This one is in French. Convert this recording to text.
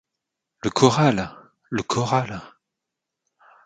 Le corral ! le corral !